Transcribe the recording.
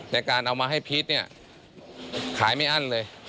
แต่การเอามาให้พีชเนี่ยขายไม่อั้นเลย